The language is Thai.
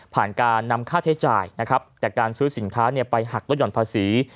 ผ่านการนำค่าใช้จ่ายนะครับแต่การซื้อสินค้าไปหักลดห่อนภาษี